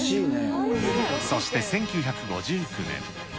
そして１９５９年。